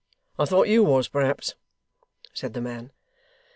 I thought you was, perhaps,' said the man.